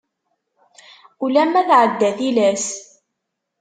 Ulama tɛedda tillas.